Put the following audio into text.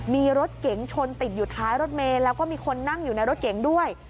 มีรถเก๋งชนติดอยู่ท้ายรถเมย์แล้วก็มีคนนั่งอยู่ในรถเก๋งด้วย